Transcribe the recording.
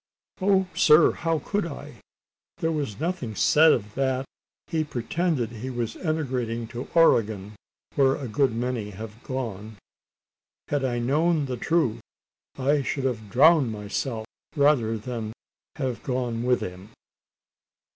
"Oh! sir, how could I? There was nothing said of that. He pretended he was emigrating to Oregon, where a good many had gone. Had I known the truth, I should have drowned myself rather than have gone with him!"